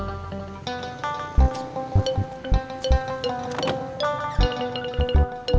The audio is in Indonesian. tidak ada eike